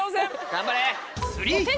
頑張れ！